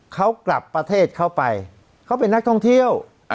เขากลับประเทศเข้าไปเขาเป็นนักท่องเที่ยว